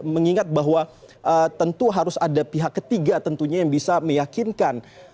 mengingat bahwa tentu harus ada pihak ketiga tentunya yang bisa meyakinkan